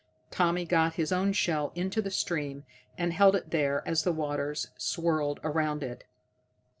Tommy got his own shell into the stream, and held it there as the waters swirled around it.